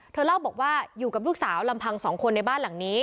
เล่าบอกว่าอยู่กับลูกสาวลำพังสองคนในบ้านหลังนี้